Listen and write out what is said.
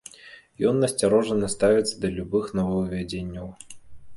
Ён насцярожана ставіцца да любых новаўвядзенняў.